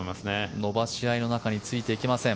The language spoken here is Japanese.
伸ばし合いの中についていけません。